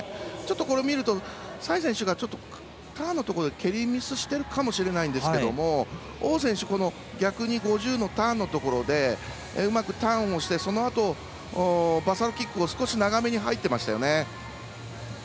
これを見ると蔡選手が、ターンのところで蹴りミスしてるかもしれないんですけども王選手逆に５０のターンのところでうまくターンをしてそのあとバサロキックを少し長めに入ってましたよね。